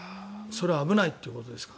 それは危ないってことですか。